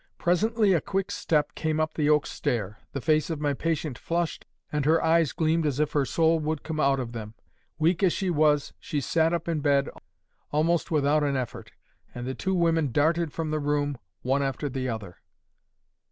Presently a quick step came up the oak stair. The face of my patient flushed, and her eyes gleamed as if her soul would come out of them. Weak as she was she sat up in bed, almost without an effort, and the two women darted from the room, one after the other.